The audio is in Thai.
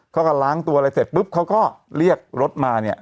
เขาก็ล้างตัวอะไรเสร็จปุ๊บเขาก็เรียกรถมาเนี่ย